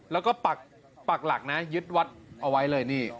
แล้วก็ปักหลักนะยึดวัดเอาไว้เลยนี่